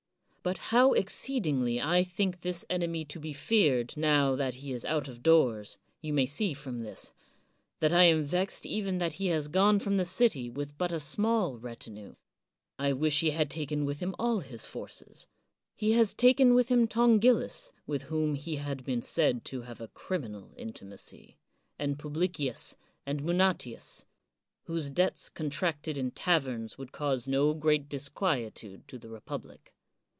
But how exceedingly I think this enemy to be feared now that he is out of doors, you may see from this, — ^that I am vexed even that he has gone from the city with but a small retinue. I wish he had taken with him all his forces. He has taken with him Tongillus, with whom he had been said to have a criminal intimacy, and Pub licius, and Munatius, whose debts contracted in 115 THE WORLD'S FAMOUS ORATIONS taverns could cause no great disquietude to the republic.